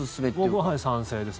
僕は賛成です。